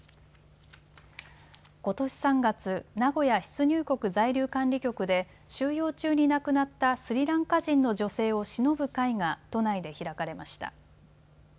ことし３月、名古屋出入国在留管理局で収容中に亡くなったスリランカ人の女性をしのぶ会が都内で開かれました。